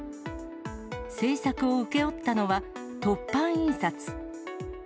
制作を請け負ったのは、凸版印刷。